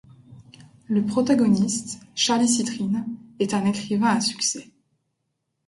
Le protagoniste, Charlie Citrine, est un écrivain à succès.